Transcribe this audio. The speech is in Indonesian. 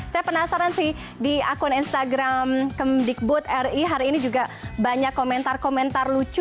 saya penasaran sih di akun instagram kemdikbud ri hari ini juga banyak komentar komentar lucu